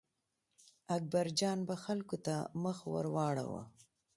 اکبرجان به خلکو ته مخ ور واړاوه.